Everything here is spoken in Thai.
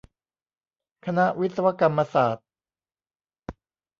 คณะวิศวกรรมศาสตร์